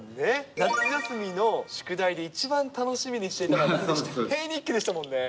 夏休みの宿題で一番楽しみにしていたのが絵日記でしたもんね。